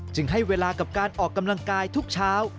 ให้เวลากับการออกกำลังกายทุกเช้า